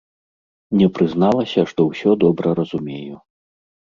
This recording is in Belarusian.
Не прызналася, што ўсё добра разумею.